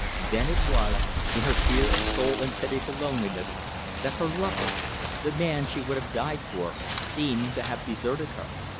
Then it was, in her fear of soul and pitiful loneliness, that her lover the man she would have died for seemed to have deserted her.